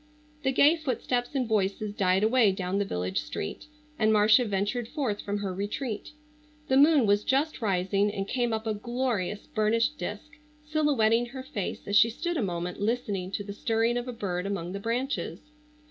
The gay footsteps and voices died away down the village street, and Marcia ventured forth from her retreat. The moon was just rising and came up a glorious burnished disk, silhouetting her face as she stood a moment listening to the stirring of a bird among the branches.